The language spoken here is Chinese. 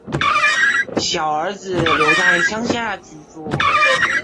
小儿子留在乡下居住